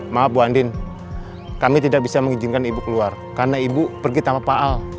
maaf bu andin kami tidak bisa mengizinkan ibu keluar karena ibu pergi tanpa paal